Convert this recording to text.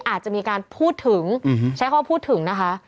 อาจจะมีการพูดถึงใช้คำว่าพูดถึงนะคะ